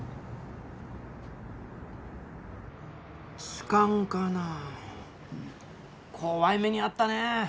痴漢かな怖い目に遭ったね